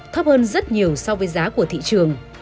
thấp hơn rất nhiều so với giá của thị trường